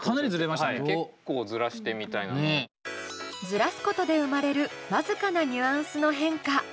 ズラすことで生まれる僅かなニュアンスの変化。